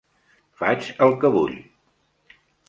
Faig el que vull.